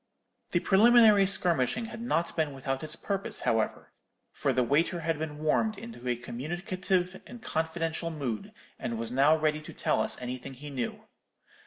The preliminary skirmishing had not been without its purpose, however; for the waiter had been warmed into a communicative and confidential mood, and was now ready to tell us anything he knew.